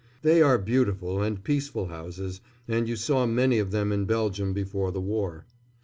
They are beautiful and peaceful houses, and you saw many of them in Belgium before the war.